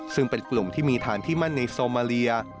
ซึ่งเป็นกลุ่มที่มีฐานที่มั่นในโซมาเลีย